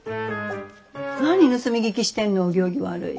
何盗み聞きしてんのお行儀悪い。